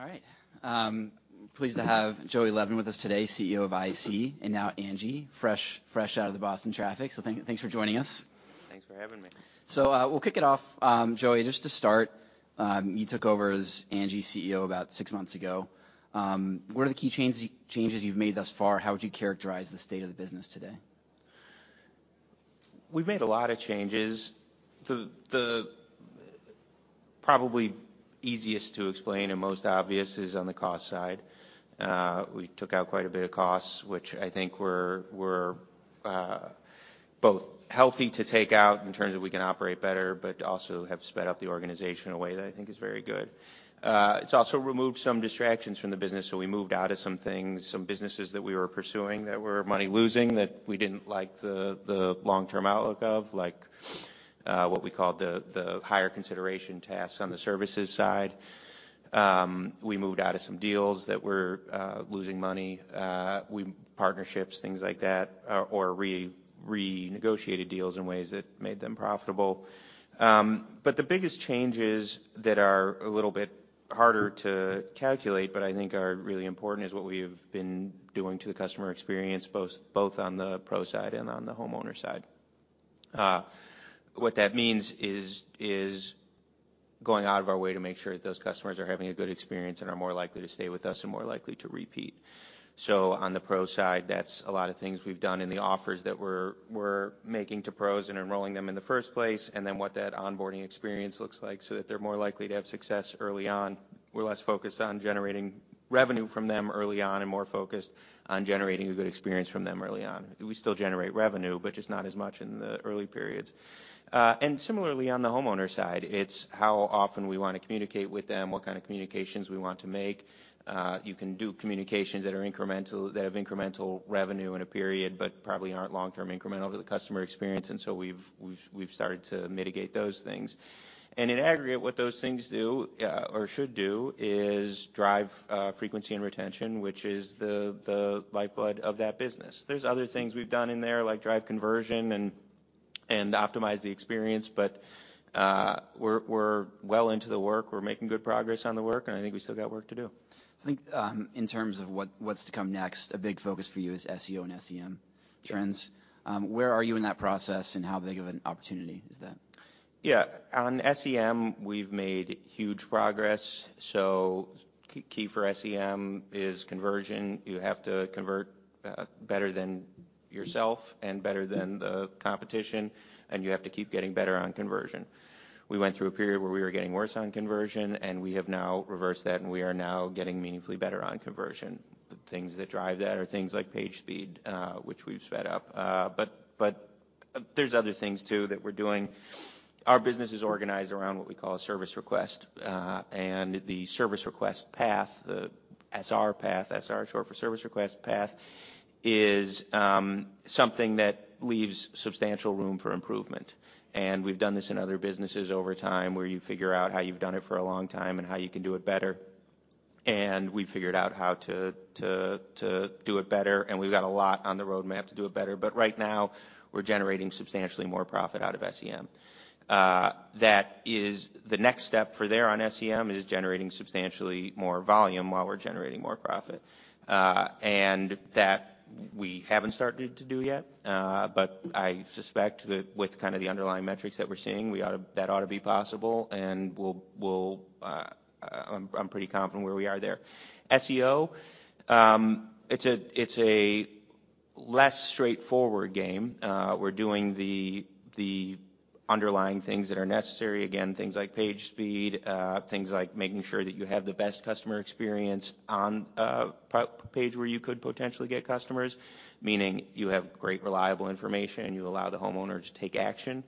All right. Pleased to have Joey Levin with us today, CEO of IAC, and now Angi, fresh out of the Boston traffic. Thanks for joining us. Thanks for having me. We'll kick it off, Joey, just to start, you took over as Angi CEO about six months ago. What are the key changes you've made thus far? How would you characterize the state of the business today? We've made a lot of changes. The probably easiest to explain and most obvious is on the cost side. We took out quite a bit of costs, which I think were both healthy to take out in terms of we can operate better, but also have sped up the organization in a way that I think is very good. It's also removed some distractions from the business, so we moved out of some things, some businesses that we were pursuing that were money-losing, that we didn't like the long-term outlook of, like what we call the higher consideration tasks on the services side. We moved out of some deals that were losing money, we partnerships, things like that, or renegotiated deals in ways that made them profitable. The biggest changes that are a little bit harder to calculate, but I think are really important, is what we have been doing to the customer experience, both on the pro side and on the homeowner side. What that means is going out of our way to make sure that those customers are having a good experience and are more likely to stay with us and more likely to repeat. On the pro side, that's a lot of things we've done in the offers that we're making to pros and enrolling them in the first place, and then what that onboarding experience looks like so that they're more likely to have success early on. We're less focused on generating revenue from them early on and more focused on generating a good experience from them early on. We still generate revenue, but just not as much in the early periods. Similarly on the homeowner side, it's how often we wanna communicate with them, what kind of communications we want to make. You can do communications that are incremental, that have incremental revenue in a period, but probably aren't long-term incremental to the customer experience, and so we've started to mitigate those things. In aggregate, what those things do, or should do, is drive frequency and retention, which is the lifeblood of that business. There's other things we've done in there, like drive conversion and optimize the experience, but we're well into the work. We're making good progress on the work, and I think we still got work to do. I think, in terms of what's to come next, a big focus for you is SEO and SEM trends. Where are you in that process, and how big of an opportunity is that? On SEM, we've made huge progress. Key for SEM is conversion. You have to convert better than yourself and better than the competition, you have to keep getting better on conversion. We went through a period where we were getting worse on conversion, we have now reversed that, we are now getting meaningfully better on conversion. The things that drive that are things like page speed, which we've sped up. There's other things too that we're doing. Our business is organized around what we call a service request, the service request path, the SR path, SR is short for service request path, is something that leaves substantial room for improvement. We've done this in other businesses over time, where you figure out how you've done it for a long time and how you can do it better, and we've figured out how to do it better, and we've got a lot on the roadmap to do it better. Right now, we're generating substantially more profit out of SEM. That is the next step for there on SEM, is generating substantially more volume while we're generating more profit. That we haven't started to do yet, but I suspect that with kind of the underlying metrics that we're seeing, we ought to be possible, and we'll. I'm pretty confident where we are there. SEO, it's a less straightforward game. We're doing the underlying things that are necessary, again, things like page speed, things like making sure that you have the best customer experience on a page where you could potentially get customers, meaning you have great, reliable information, and you allow the homeowner to take action.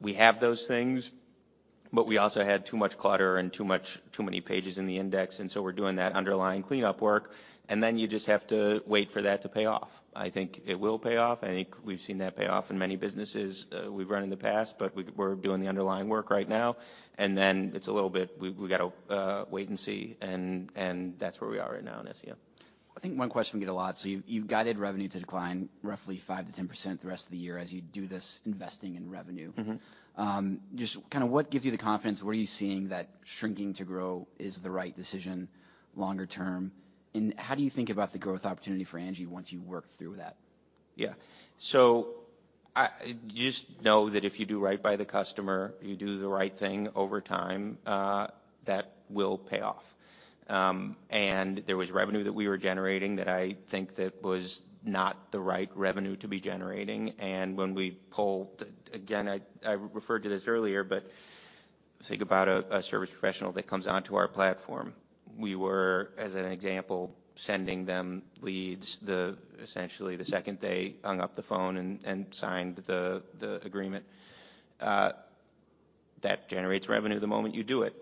We have those things, but we also had too much clutter and too many pages in the index. We're doing that underlying cleanup work, and then you just have to wait for that to pay off. I think it will pay off. I think we've seen that pay off in many businesses we've run in the past. We're doing the underlying work right now, and then it's a little bit. We've got to wait and see, and that's where we are right now on SEO. I think one question we get a lot, so you've guided revenue to decline roughly 5%-10% the rest of the year as you do this investing in revenue. Mm-hmm. Just kind of what gives you the confidence? What are you seeing that shrinking to grow is the right decision longer-term? How do you think about the growth opportunity for Angi once you work through that? Just know that if you do right by the customer, you do the right thing over time, that will pay off. There was revenue that we were generating that I think that was not the right revenue to be generating, when we pulled, again, I referred to this earlier, think about a service professional that comes onto our platform. We were, as an example, sending them leads essentially the second they hung up the phone and signed the agreement. That generates revenue the moment you do it,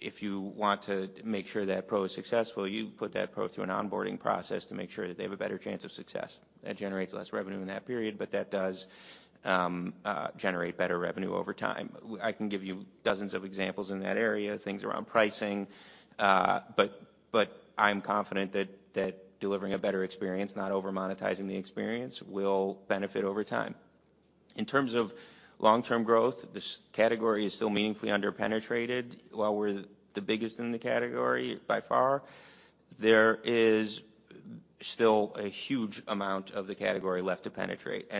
if you want to make sure that pro is successful, you put that pro through an onboarding process to make sure that they have a better chance of success. That generates less revenue in that period, that does generate better revenue over time. I can give you dozens of examples in that area, things around pricing, but I'm confident that delivering a better experience, not over-monetizing the experience, will benefit over time. In terms of long-term growth, this category is still meaningfully under-penetrated. While we're the biggest in the category by far, there is still a huge amount of the category left to penetrate.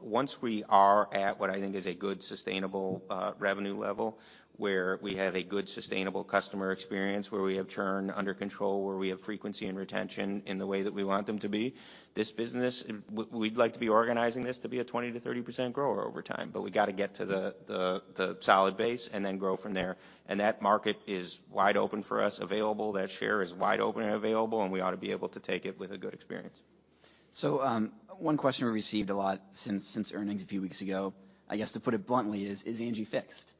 Once we are at, what I think is a good sustainable revenue level, where we have a good sustainable customer experience, where we have churn under control, where we have frequency and retention in the way that we want them to be, this business, we'd like to be organizing this to be a 20%-30% grower over time. We gotta get to the solid base and then grow from there. That market is wide open for us, available. That share is wide open and available, and we ought to be able to take it with a good experience. One question we received a lot since earnings a few weeks ago, I guess to put it bluntly, is: Is Angi fixed?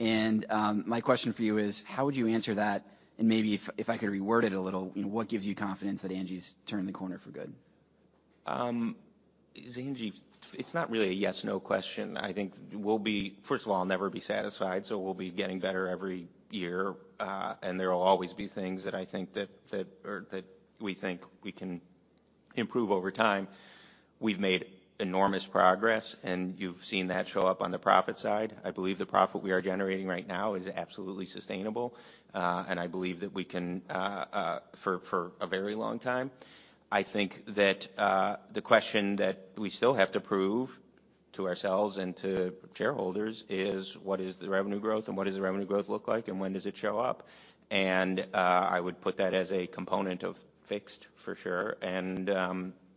My question for you is: How would you answer that? Maybe if I could reword it a little, what gives you confidence that Angi's turned the corner for good? Is Angi... It's not really a yes/no question. I think First of all, I'll never be satisfied, so we'll be getting better every year, and there will always be things that I think that or that we think we can improve over time. We've made enormous progress, and you've seen that show up on the profit side. I believe the profit we are generating right now is absolutely sustainable, and I believe that we can for a very long time. I think that the question that we still have to prove to ourselves and to shareholders is what is the revenue growth and what does the revenue growth look like and when does it show up? I would put that as a component of fixed for sure, and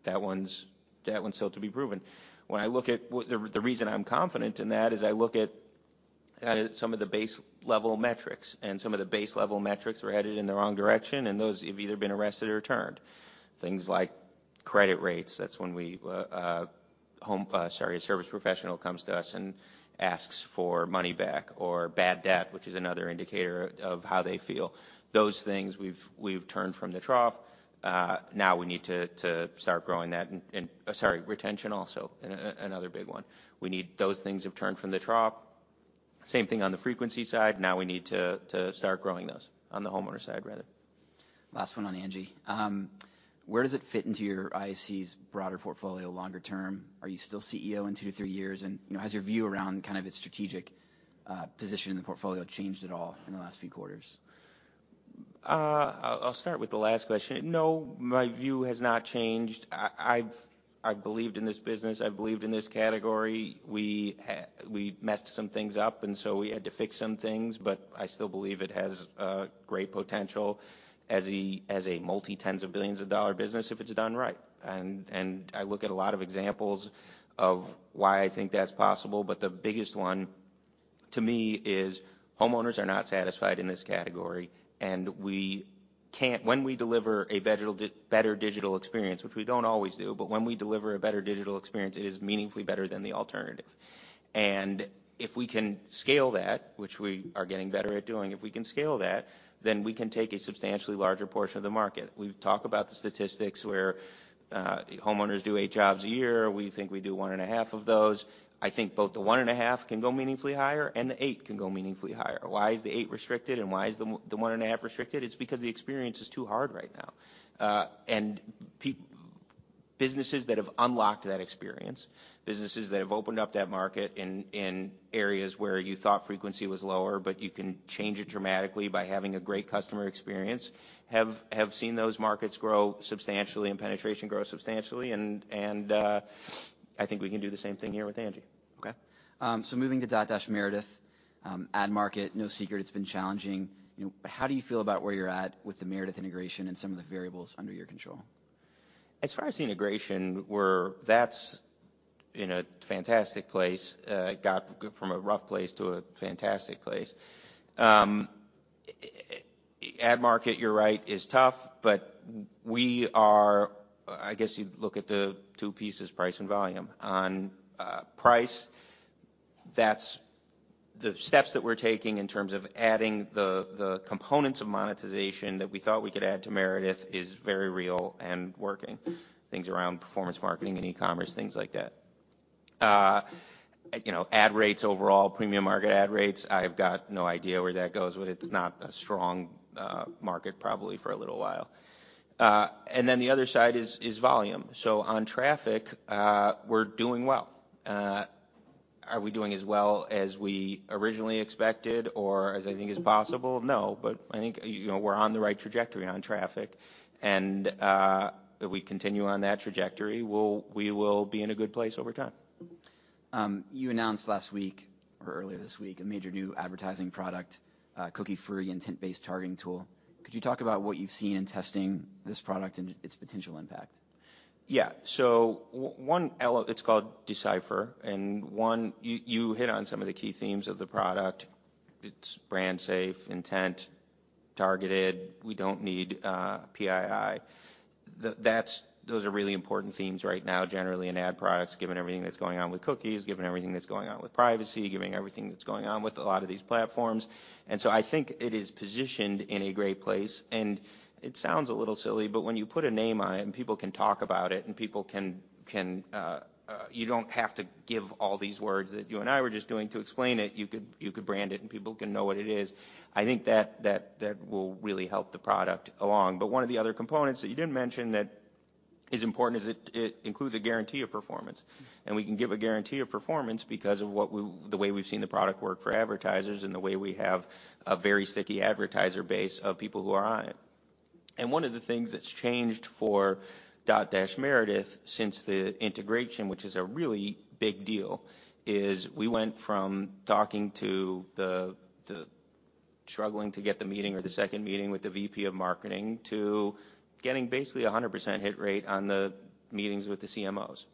that one's still to be proven. When I look at what the reason I'm confident in that is I look at some of the base level metrics, and some of the base level metrics were headed in the wrong direction, and those have either been arrested or turned. Things like credit rates, that's when we, sorry, a service professional comes to us and asks for money back or bad debt, which is another indicator of how they feel. Those things we've turned from the trough. Now we need to start growing that and sorry, retention also another big one. Those things have turned from the trough. Same thing on the frequency side, now we need to start growing those on the homeowner side rather. Last one on Angi. Where does it fit into your IAC's broader portfolio longer-term? Are you still CEO in two to three years? You know, has your view around kind of its strategic position in the portfolio changed at all in the last few quarters? I'll start with the last question. No, my view has not changed. I've believed in this business. I've believed in this category. We messed some things up, we had to fix some things, but I still believe it has great potential as a multi-tens of billions of dollar business if it's done right. I look at a lot of examples of why I think that's possible, but the biggest one to me is homeowners are not satisfied in this category, when we deliver a better digital experience, which we don't always do, but when we deliver a better digital experience, it is meaningfully better than the alternative. If we can scale that, which we are getting better at doing, if we can scale that, then we can take a substantially larger portion of the market. We've talked about the statistics where homeowners do eight jobs a year. We think we do 1.5 of those. I think both the 1.5 can go meaningfully higher and the eight can go meaningfully higher. Why is the eight restricted and why is the 1.5 restricted? It's because the experience is too hard right now. businesses that have unlocked that experience, businesses that have opened up that market in areas where you thought frequency was lower, but you can change it dramatically by having a great customer experience, have seen those markets grow substantially and penetration grow substantially and I think we can do the same thing here with Angi. Okay. moving to Dotdash Meredith, ad market, no secret, it's been challenging. You know, how do you feel about where you're at with the Meredith integration and some of the variables under your control? As far as the integration, that's in a fantastic place. It got from a rough place to a fantastic place. Ad market, you're right, is tough, but we are, I guess you'd look at the two pieces, price and volume. On price, that's the steps that we're taking in terms of adding the components of monetization that we thought we could add to Meredith is very real and working. Things around performance marketing and e-commerce, things like that. You know, ad rates overall, premium market ad rates, I've got no idea where that goes, but it's not a strong market probably for a little while. The other side is volume. On traffic, we're doing well. Are we doing as well as we originally expected or as I think is possible? No, I think, you know, we're on the right trajectory on traffic. If we continue on that trajectory, we will be in a good place over time. You announced last week or earlier this week, a major new advertising product, cookie-free intent-based targeting tool. Could you talk about what you've seen in testing this product and its potential impact? Yeah. It's called D/Cipher. One, you hit on some of the key themes of the product. It's brand safe, intent, targeted. We don't need PII. Those are really important themes right now generally in ad products, given everything that's going on with cookies, given everything that's going on with privacy, given everything that's going on with a lot of these platforms. I think it is positioned in a great place. It sounds a little silly, but when you put a name on it and people can talk about it and people can. You don't have to give all these words that you and I were just doing to explain it. You could brand it and people can know what it is. I think that will really help the product along. One of the other components that you didn't mention that as important as it includes a guarantee of performance. We can give a guarantee of performance because of what we the way we've seen the product work for advertisers and the way we have a very sticky advertiser base of people who are on it. One of the things that's changed for Dotdash Meredith since the integration, which is a really big deal, is we went from talking to the struggling to get the meeting or the second meeting with the VP of marketing to getting basically a 100% hit rate on the meetings with the CMOs.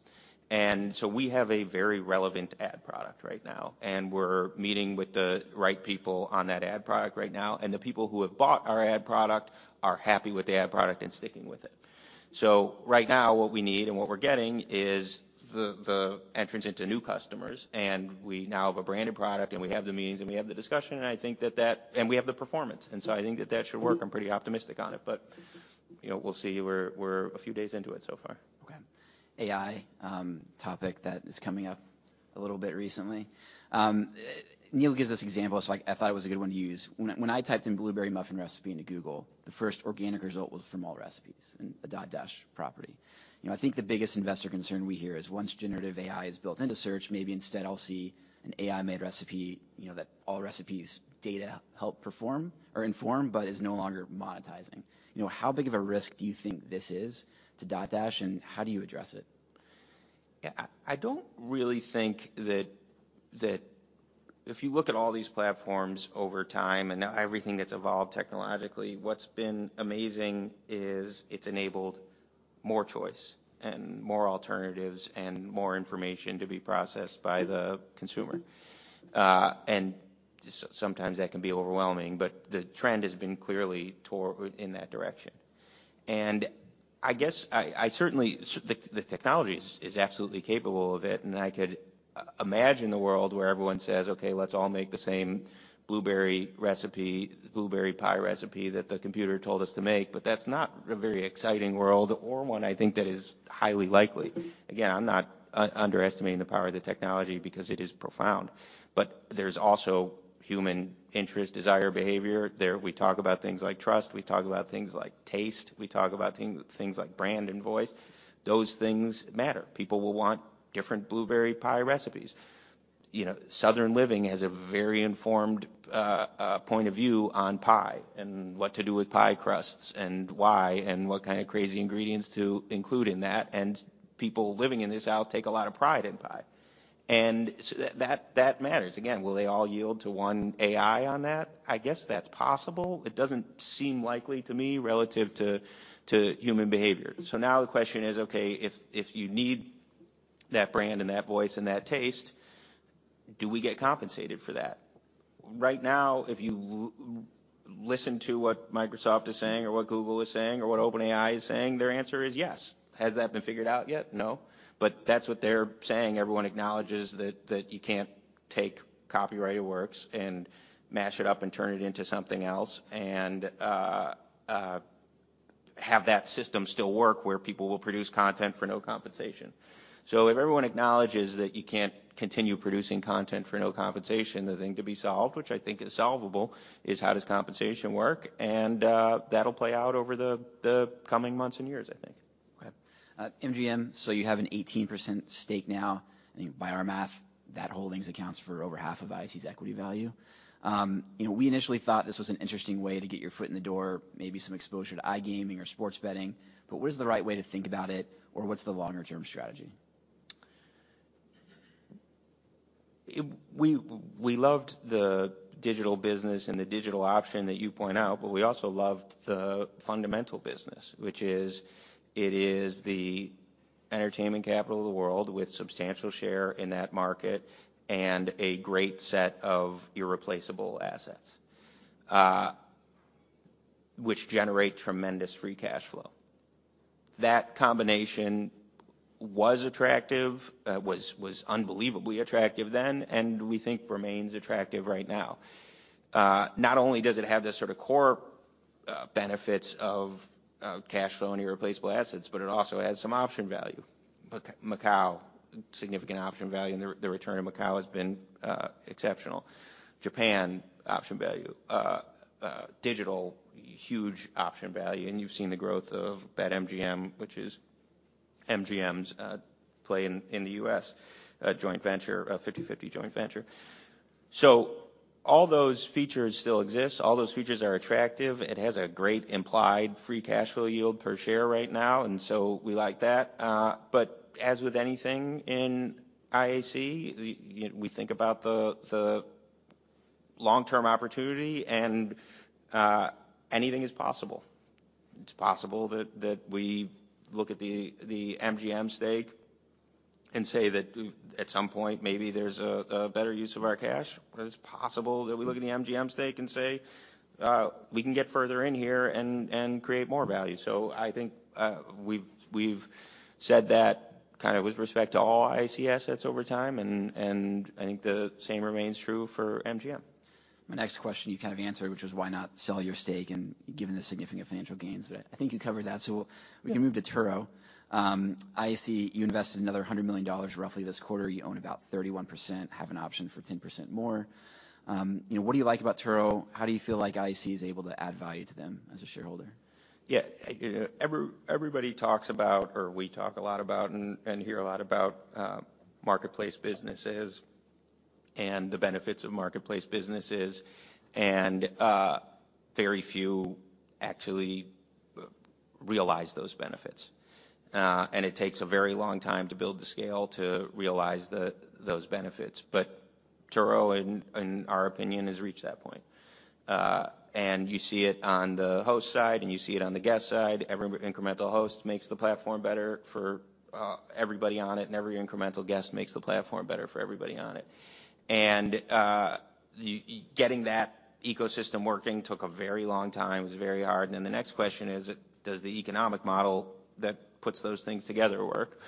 We have a very relevant ad product right now, and we're meeting with the right people on that ad product right now. The people who have bought our ad product are happy with the ad product and sticking with it. Right now, what we need and what we're getting is the entrance into new customers, and we now have a branded product, and we have the meetings, and we have the discussion. We have the performance. I think that should work. I'm pretty optimistic on it, but, you know, we'll see. We're a few days into it so far. AI, topic that is coming up a little bit recently. Neil gives this example, so I thought it was a good one to use. When I typed in blueberry muffin recipe into Google, the first organic result was from Allrecipes and a Dotdash property. You know, I think the biggest investor concern we hear is once generative AI is built into search, maybe instead I'll see an AI-made recipe, you know, that Allrecipes data help perform or inform but is no longer monetizing. You know, how big of a risk do you think this is to Dotdash, and how do you address it? Yeah. I don't really think that if you look at all these platforms over time and now everything that's evolved technologically, what's been amazing is it's enabled more choice and more alternatives and more information to be processed by the consumer. Sometimes that can be overwhelming, but the trend has been clearly toward in that direction. I guess I certainly. The technology is absolutely capable of it, and I could imagine a world where everyone says, "Okay, let's all make the same blueberry recipe, blueberry pie recipe that the computer told us to make." That's not a very exciting world or one I think that is highly likely. Again, I'm not underestimating the power of the technology because it is profound. There's also human interest, desire, behavior. There, we talk about things like trust. We talk about things like taste. We talk about things like brand and voice. Those things matter. People will want different blueberry pie recipes. You know, Southern Living has a very informed point of view on pie and what to do with pie crusts and why, and what kind of crazy ingredients to include in that. People living in the South take a lot of pride in pie. So that matters. Again, will they all yield to one AI on that? I guess that's possible. It doesn't seem likely to me relative to human behavior. Now the question is, okay, if you need that brand and that voice and that taste, do we get compensated for that? Right now, if you listen to what Microsoft is saying or what Google is saying or what OpenAI is saying, their answer is yes. Has that been figured out yet? No. That's what they're saying. Everyone acknowledges that you can't take copyrighted works and mash it up and turn it into something else, and have that system still work where people will produce content for no compensation. If everyone acknowledges that you can't continue producing content for no compensation, the thing to be solved, which I think is solvable, is how does compensation work? That'll play out over the coming months and years, I think. Okay. MGM, you have an 18% stake now. I think by our math, that holdings accounts for over half of IAC's equity value. You know, we initially thought this was an interesting way to get your foot in the door, maybe some exposure to iGaming or sports betting. What is the right way to think about it, or what's the longer-term strategy? We loved the digital business and the digital option that you point out, but we also loved the fundamental business, which is it is the entertainment capital of the world with substantial share in that market and a great set of irreplaceable assets, which generate tremendous free cash flow. That combination was attractive, unbelievably attractive then, and we think remains attractive right now. Not only does it have the sort of core benefits of cash flow and irreplaceable assets, but it also has some option value. Macau, significant option value, and the return in Macau has been exceptional. Japan, option value. Digital, huge option value, and you've seen the growth of BetMGM, which is MGM's play in the U.S., a joint venture, a 50/50 joint venture. All those features still exist. All those features are attractive. It has a great implied free cash flow yield per share right now. We like that. As with anything in IAC, you know, we think about the long-term opportunity and anything is possible. It's possible that we look at the MGM stake and say that at some point maybe there's a better use of our cash. It's possible that we look at the MGM stake and say, "we can get further in here and create more value." I think we've said that kind of with respect to all IAC assets over time and I think the same remains true for MGM. My next question you kind of answered, which was why not sell your stake and given the significant financial gains. I think you covered that. Yeah. We can move to Turo. IAC, you invested another $100 million roughly this quarter. You own about 31%, have an option for 10% more. you know, what do you like about Turo? How do you feel like IAC is able to add value to them as a shareholder? Yeah. You know, everybody talks about, or we talk a lot about and hear a lot about marketplace businesses. The benefits of marketplace businesses, and very few actually realize those benefits. It takes a very long time to build the scale to realize those benefits. Turo, in our opinion, has reached that point. You see it on the host side, and you see it on the guest side. Every incremental host makes the platform better for everybody on it, and every incremental guest makes the platform better for everybody on it. Getting that ecosystem working took a very long time. It was very hard. The next question is, does the economic model that puts those things together work?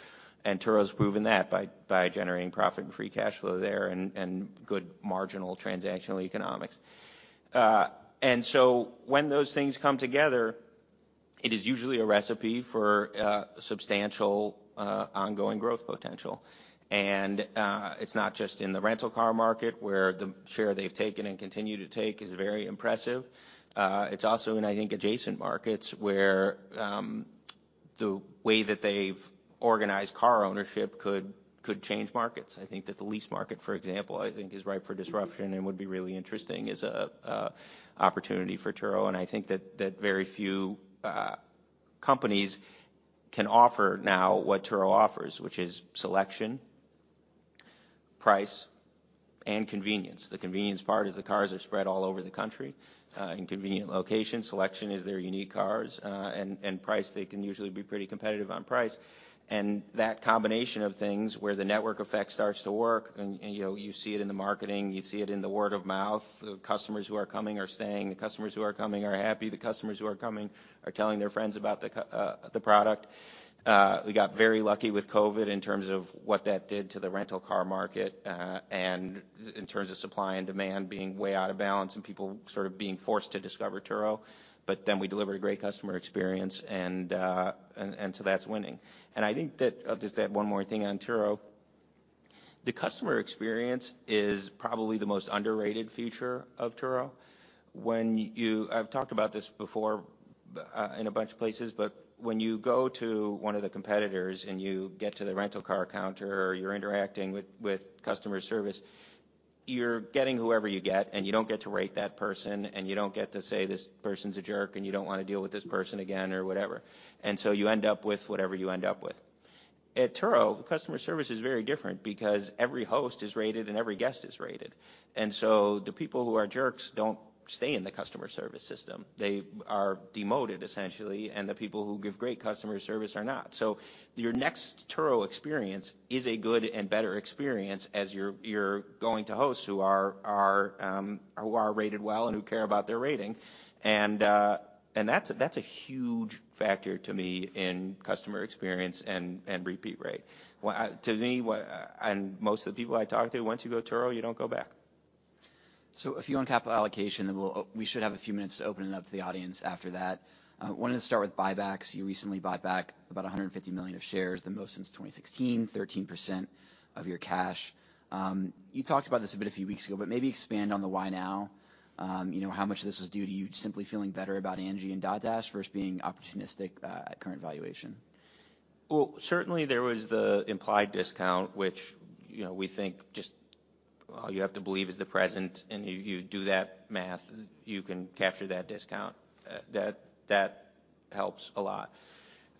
Turo's proven that by generating profit and free cash flow there and good marginal transactional economics. When those things come together, it is usually a recipe for substantial ongoing growth potential. It's not just in the rental car market, where the share they've taken and continue to take is very impressive. It's also in, I think, adjacent markets, where the way that they've organized car ownership could change markets. I think that the lease market, for example, I think is ripe for disruption and would be really interesting, is a opportunity for Turo. I think that very few companies can offer now what Turo offers, which is selection, price, and convenience. The convenience part is the cars are spread all over the country, in convenient locations. Selection is their unique cars. Price, they can usually be pretty competitive on price. That combination of things where the network effect starts to work and, you know, you see it in the marketing, you see it in the word of mouth. The customers who are coming are staying. The customers who are coming are happy. The customers who are coming are telling their friends about the product. We got very lucky with COVID in terms of what that did to the rental car market, and in terms of supply and demand being way out of balance and people sort of being forced to discover Turo. We delivered a great customer experience and so that's winning. I think that. I'll just add one more thing on Turo. The customer experience is probably the most underrated feature of Turo. When you I've talked about this before, in a bunch of places, but when you go to one of the competitors and you get to the rental car counter or you're interacting with customer service, you're getting whoever you get, and you don't get to rate that person, and you don't get to say, "This person's a jerk," and you don't wanna deal with this person again or whatever. You end up with whatever you end up with. At Turo, the customer service is very different because every host is rated and every guest is rated. The people who are jerks don't stay in the customer service system. They are demoted, essentially, and the people who give great customer service are not. Your next Turo experience is a good and better experience as you're going to hosts who are rated well and who care about their rating. That's a huge factor to me in customer experience and repeat rate. To me, most of the people I talk to, once you go Turo, you don't go back. A few on capital allocation, then we'll, we should have a few minutes to open it up to the audience after that. Wanted to start with buybacks. You recently bought back about $150 million of shares, the most since 2016, 13% of your cash. You talked about this a bit a few weeks ago, but maybe expand on the why now. You know, how much of this was due to you simply feeling better about Angi and Dotdash versus being opportunistic at current valuation? Well, certainly there was the implied discount, which, you know, we think just, all you have to believe is the present, and you do that math, you can capture that discount. That helps a lot.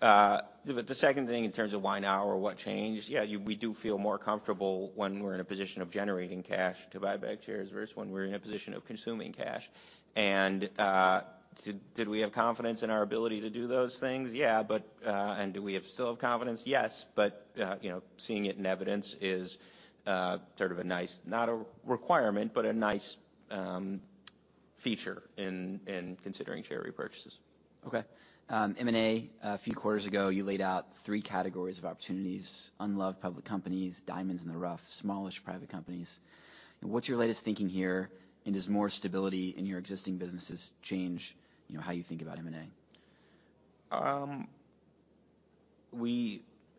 The second thing in terms of why now or what changed, yeah, we do feel more comfortable when we're in a position of generating cash to buy back shares versus when we're in a position of consuming cash. Did we have confidence in our ability to do those things? Yeah. Do we still have confidence? Yes. You know, seeing it in evidence is sort of a nice, not a requirement, but a nice feature in considering share repurchases. Okay. M&A, a few quarters ago, you laid out three categories of opportunities: unloved public companies, diamonds in the rough, smallish private companies. What's your latest thinking here? Does more stability in your existing businesses change, you know, how you think about M&A? M&A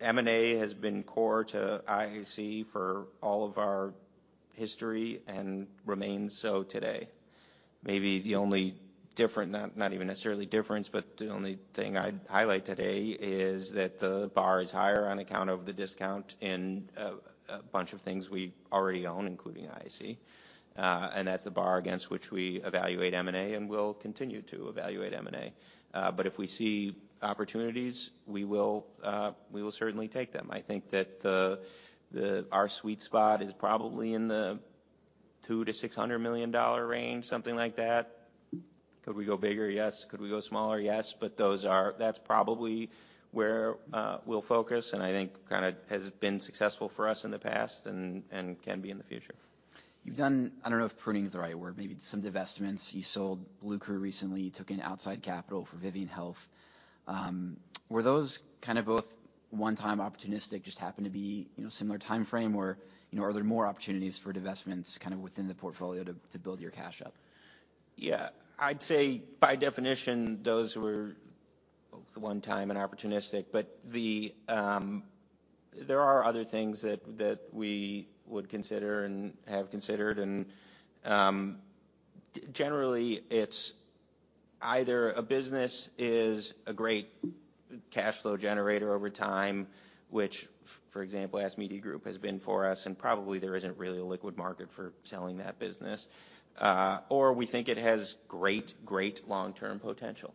has been core to IAC for all of our history and remains so today. Maybe the only difference, not even necessarily difference, but the only thing I'd highlight today is that the bar is higher on account of the discount in a bunch of things we already own, including IAC. That's the bar against which we evaluate M&A and will continue to evaluate M&A. If we see opportunities, we will certainly take them. I think that our sweet spot is probably in the $200 million-$600 million range, something like that. Could we go bigger? Yes. Could we go smaller? Yes. That's probably where we'll focus, and I think kinda has been successful for us in the past and can be in the future. You've done, I don't know if pruning is the right word, maybe some divestments. You sold Bluecrew recently. You took in outside capital for Vivian Health. Were those kind of both one-time opportunistic, just happened to be, you know, similar timeframe, or, you know, are there more opportunities for divestments kind of within the portfolio to build your cash up? Yeah. I'd say by definition, those were both one time and opportunistic. There are other things that we would consider and have considered and Generally, it's either a business is a great cash flow generator over time, which for example, Ask Media Group has been for us, and probably there isn't really a liquid market for selling that business. We think it has great long-term potential.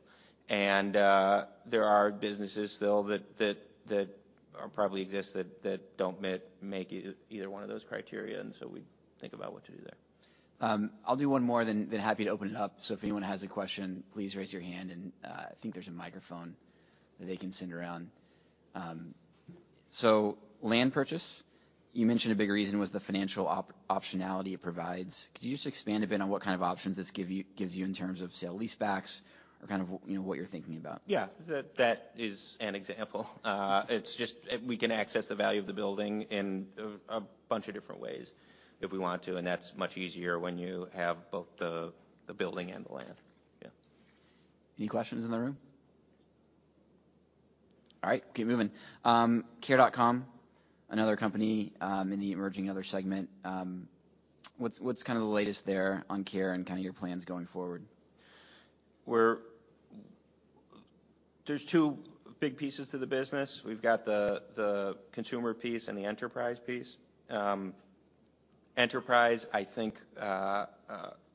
There are businesses still that probably exist that don't make either one of those criteria, we think about what to do there. I'll do one more then happy to open it up. If anyone has a question, please raise your hand and I think there's a microphone they can send around. Land purchase, you mentioned a big reason was the financial optionality it provides. Could you just expand a bit on what kind of options this gives you in terms of sale leasebacks or kind of, you know, what you're thinking about? Yeah. That is an example. It's just, we can access the value of the building in a bunch of different ways if we want to. That's much easier when you have both the building and the land. Yeah. Any questions in the room? All right, keep moving. Care.com, another company, in the emerging other segment. What's kind of the latest there on Care and kinda your plans going forward? There's two big pieces to the business. We've got the consumer piece and the enterprise piece. Enterprise, I think,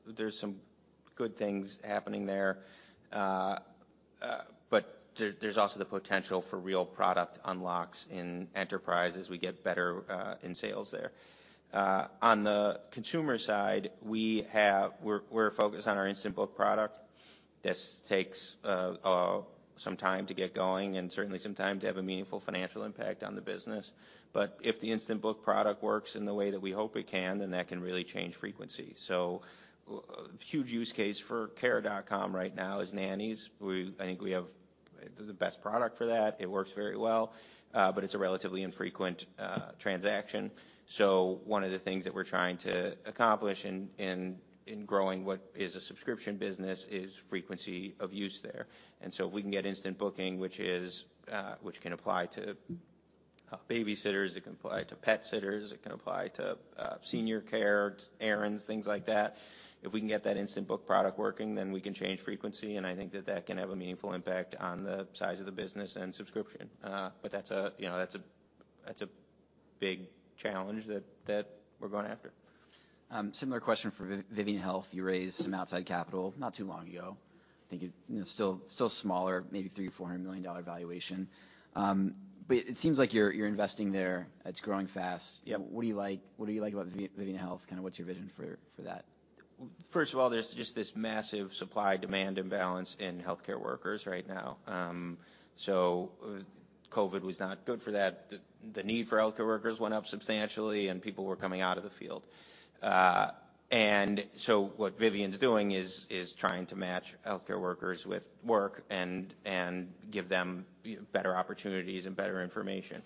there's some good things happening there. There's also the potential for real product unlocks in enterprise as we get better in sales there. On the consumer side, we're focused on our instant book product. This takes some time to get going and certainly some time to have a meaningful financial impact on the business. If the instant book product works in the way that we hope it can, then that can really change frequency. Huge use case for Care.com right now is nannies. We I think we have the best product for that. It works very well, but it's a relatively infrequent transaction. One of the things that we're trying to accomplish in growing what is a subscription business is frequency of use there. If we can get instant booking, which is, which can apply to babysitters, it can apply to pet sitters, it can apply to senior care, errands, things like that. If we can get that instant book product working, then we can change frequency, and I think that that can have a meaningful impact on the size of the business and subscription. But that's a, you know, that's a big challenge that we're going after. Similar question for Vivian Health. You raised some outside capital not too long ago. I think it, you know, still smaller, maybe $300 million-$400 million valuation. It seems like you're investing there. It's growing fast. Yep. What do you like? What do you like about Vivian Health? Kinda what's your vision for that? First of all, there's just this massive supply-demand imbalance in healthcare workers right now. COVID was not good for that. The need for healthcare workers went up substantially, and people were coming out of the field. What Vivian's doing is trying to match healthcare workers with work and give them better opportunities and better information.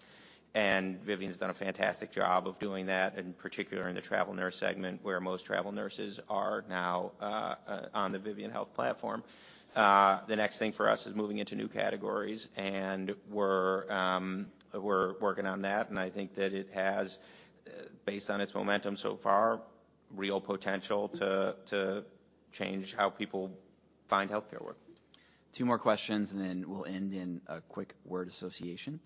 Vivian's done a fantastic job of doing that, in particular in the travel nurse segment, where most travel nurses are now on the Vivian Health platform. The next thing for us is moving into new categories, and we're working on that, and I think that it has, based on its momentum so far, real potential to change how people find healthcare work. Two more questions, and then we'll end in a quick word association.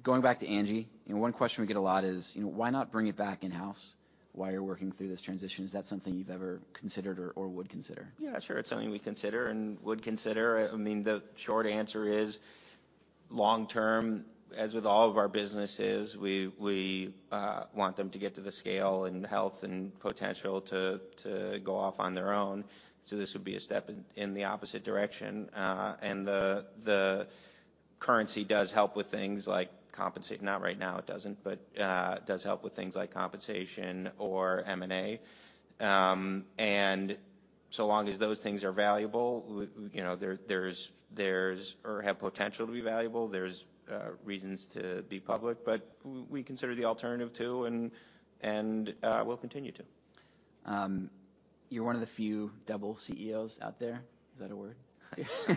Going back to Angi, you know, one question we get a lot is, you know, why not bring it back in-house while you're working through this transition? Is that something you've ever considered or would consider? Yeah, sure. It's something we consider and would consider. I mean, the short answer is long term, as with all of our businesses, we want them to get to the scale and health and potential to go off on their own. This would be a step in the opposite direction, and the currency does help with things like not right now, it doesn't, but it does help with things like compensation or M&A. So long as those things are valuable, you know, there's or have potential to be valuable, there's reasons to be public. We consider the alternative too and we'll continue to. You're one of the few double CEOs out there. Is that a word?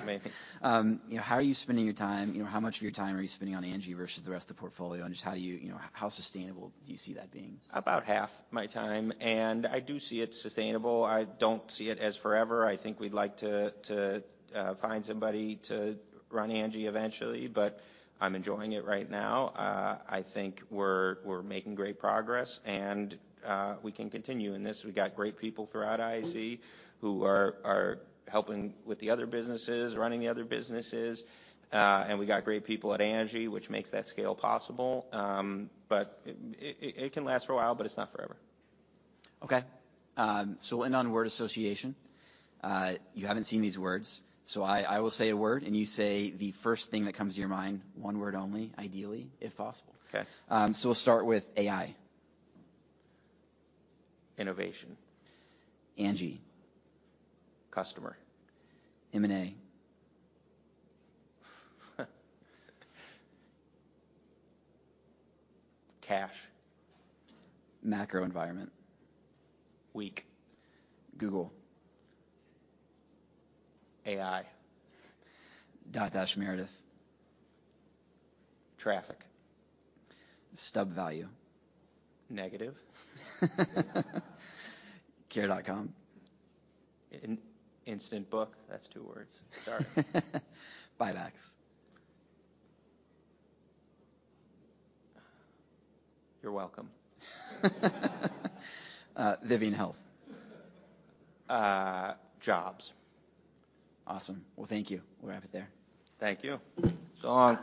Maybe. You know, how are you spending your time? You know, how much of your time are you spending on Angi versus the rest of the portfolio, and just how do you know, how sustainable do you see that being? About half my time, and I do see it sustainable. I don't see it as forever. I think we'd like to find somebody to run Angi eventually, but I'm enjoying it right now. I think we're making great progress and we can continue in this. We got great people throughout IAC who are helping with the other businesses, running the other businesses, and we got great people at Angi, which makes that scale possible. It can last for a while, but it's not forever. Okay. We'll end on word association. You haven't seen these words, I will say a word, and you say the first thing that comes to your mind, one word only, ideally, if possible. Okay. We'll start with AI. Innovation. Angi. Customer. M&A. Cash. Macro environment. Weak. Google. AI. Dotdash Meredith. Traffic. Stub value. Negative. Care.com. instant book. That's two words. Sorry. Buybacks. You're welcome. Vivian Health. jobs. Awesome. Well, thank you. We'll end it there. Thank you. So long.